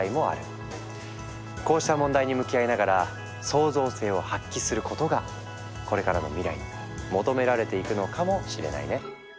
こうした問題に向き合いながら創造性を発揮することがこれからの未来に求められていくのかもしれないね。